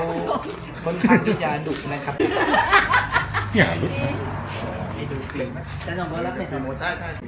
ค่อนข้างที่จะหนุ่มนะครับอย่าลุก